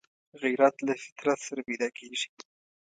غیرت له فطرت سره پیدا کېږي